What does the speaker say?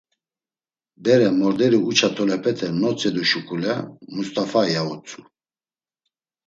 Bere, morderi uça tolepete notzedu şuǩule: “Must̆afa…” ya utzu.